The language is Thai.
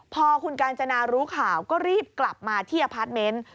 พอคุณกาญจนารู้ข่าวก็รีบกลับมาที่อพาร์ทเมนต์